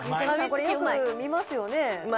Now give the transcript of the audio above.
これよく見ますよね。